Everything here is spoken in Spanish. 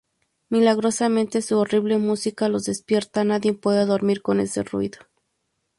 Milagrosamente, su horrible música los despierta; nadie puede dormir con ese ruido.